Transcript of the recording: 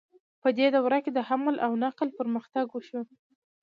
په دې دوره کې د حمل او نقل پرمختګ وشو.